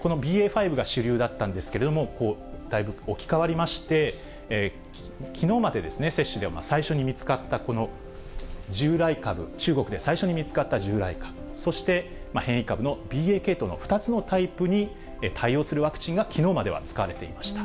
このＢＡ．５が主流だったんですけどもだいぶ置き換わりまして、きのうまでの接種で最初に見つかった従来株、中国で最初に見つかった従来株、そして変異株のＢＡ．系統の２つのタイプに対応するワクチンがきのうまでは使われていました。